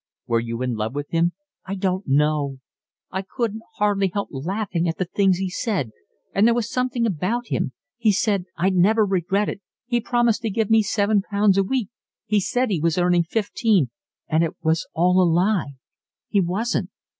"Were you in love with him?" "I don't know. I couldn't hardly help laughing at the things he said. And there was something about him—he said I'd never regret it, he promised to give me seven pounds a week—he said he was earning fifteen, and it was all a lie, he wasn't.